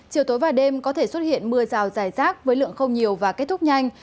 chiều tối và đêm có thể xuất hiện mưa rào dài rác với lượng không nhiều và kết thúc nhanh